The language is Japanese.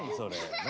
何？